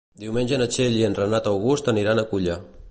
Diumenge na Txell i en Renat August aniran a Culla.